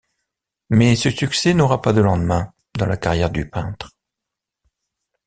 Mais ce succès n'aura pas de lendemain dans la carrière du peintre.